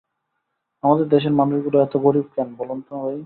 আমাদের দেশের মানুষগুলো এত গরিব কেন বলুন তো ভাই?